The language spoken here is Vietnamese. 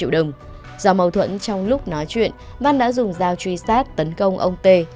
do mâu thuẫn trong lúc nói chuyện văn đã dùng dao truy sát tấn công ông tê